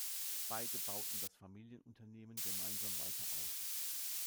Beide bauten das Familienunternehmen gemeinsam weiter aus.